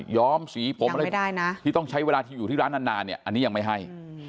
ย้อมสีโปรปที่ต้องใช้เวลาที่อยู่ที่ร้านนานอันนี้ยังไม่ให้